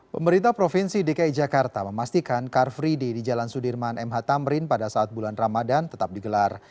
pemerintah provinsi dki jakarta memastikan car free day di jalan sudirman mh tamrin pada saat bulan ramadan tetap digelar